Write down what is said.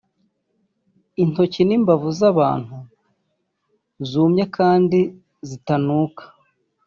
intoki n’imbavu z’abantu zumye kandi zitanuka